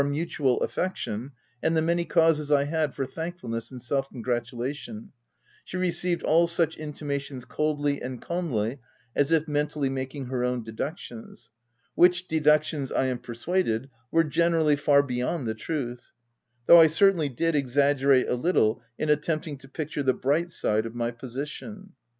205 mutual affection, and the many causes I had for thankfulness and self congratulation, she received all such intimations coldly and calmly as if mentally making her own deductions — which deductions, I am persuaded, were gener ally far beyond the truth ; though I certainly did exaggerate a little in attempting to picture the bright side of my position.